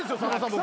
僕。